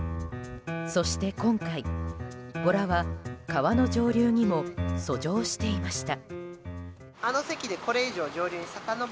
そして今回、ボラは川の上流にも遡上していました。